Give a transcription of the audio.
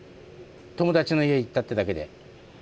友達の家行ったってだけで。